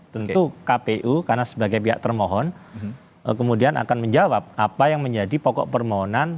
tentu kpu karena sebagai pihak termohon kemudian akan menjawab apa yang menjadi pokok permohonan